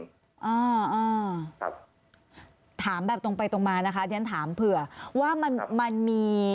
อ่าอ่าครับถามแบบตรงไปตรงมานะคะเรียนถามเผื่อว่ามันมันมี